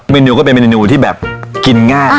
เนูก็เป็นเมนูที่แบบกินง่าย